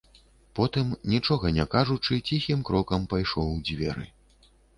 Потым, нічога не кажучы, ціхім крокам пайшоў у дзверы.